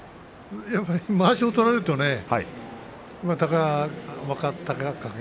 まわしを取られると若隆景。